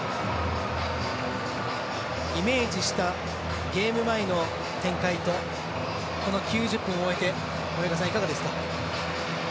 イメージしたゲーム前の展開とこの９０分を終えて、森岡さんいかがですか？